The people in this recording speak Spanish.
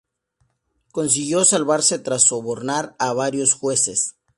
Consiguió salvarse tras sobornar a varios jueces.